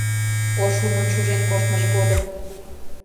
Ошлумын шужен коштмыж годым